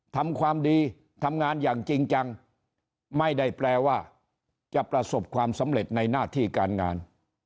ทำความดีทำงานอย่างจริงจังไม่ได้แปลว่าจะประสบความสำเร็จในหน้าที่การงาน